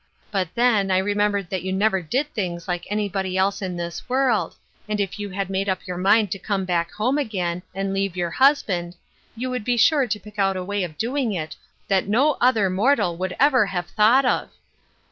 But, then, I remembered that yon never did things like anybody else in this world, and if you had made up your mind to come back home again, and leave your husband, you would be sure to pick out a way of doing it that no other mortal would ever have thought of